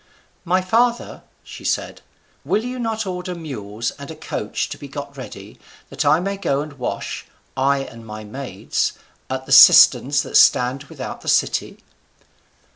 "My father," she said, "will you not order mules and a coach to be got ready, that I may go and wash, I and my maids, at the cisterns that stand without the city?"